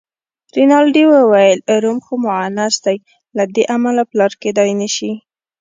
رینالډي وویل: روم خو مونث دی، له دې امله پلار کېدای نه شي.